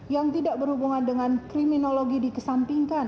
yang tidak berhubungan dengan kriminologi dikesampingkan